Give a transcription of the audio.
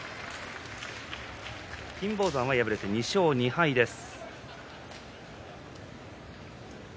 金峰山、敗れて２勝２敗です。